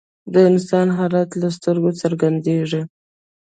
د انسان حالت له سترګو څرګندیږي